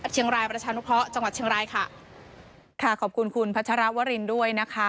เชียงรายประชานุเคราะห์จังหวัดเชียงรายค่ะค่ะขอบคุณคุณพัชรวรินด้วยนะคะ